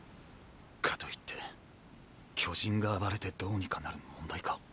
かといって巨人が暴れてどうにかなる問題か？